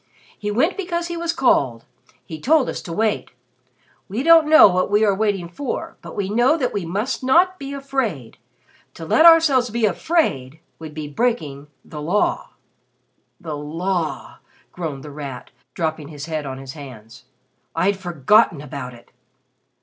He went because he was called. He told us to wait. We don't know what we are waiting for, but we know that we must not be afraid. To let ourselves be afraid would be breaking the Law." "The Law!" groaned The Rat, dropping his head on his hands, "I'd forgotten about it."